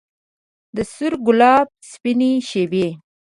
د سره ګلاب سپینې شبۍ